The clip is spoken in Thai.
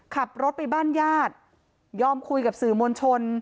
ขับรถไปบ้านญาติยอมคุยกับสื่อมวลชน